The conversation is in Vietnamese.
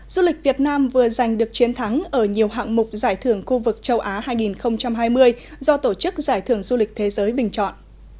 du lịch việt nam vừa giành được chiến thắng ở nhiều hạng mục giải thưởng khu vực châu á hai nghìn hai mươi do tổ chức giải thưởng du lịch thế giới bình chọn